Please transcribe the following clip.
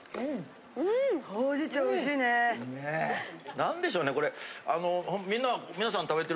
何でしょうねこれ。